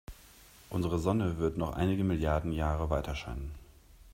Unsere Sonne wird noch einige Milliarden Jahre weiterscheinen.